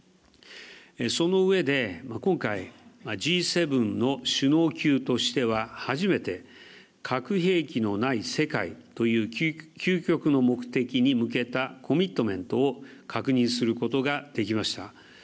その上で、今回、Ｇ７の首脳級としては初めて、核兵器のない世界という究極の目的に向けたコミットメントを確認することができました。